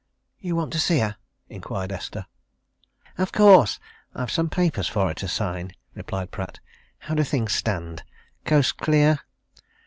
"You want to see her?" inquired Esther. "Of course! I've some papers for her to sign," replied Pratt. "How do things stand? Coast clear?"